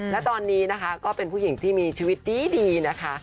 และตอนนี้นะคะก็เป็นผู้หญิงที่มีชีวิตดีนะคะ